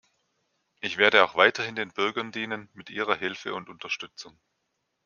Ich werde auch weiterhin den Bürgern dienen, mit ihrer Hilfe und Unterstützung.